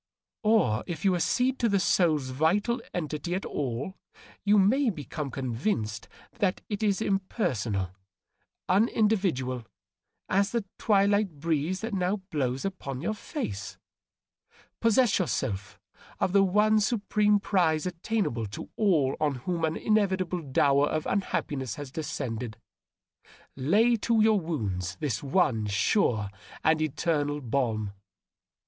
* Or, if you accede to the soul's vital entity at all, you have become convinced that it is impersonal, unindividual as the twilight breeze that now blows upon your fa<«. Possess yourself of the one supreme prize attainable to all on whom an inevitable dower of unhappiness has descended. Lay to your wounds the one sure and eternal balm.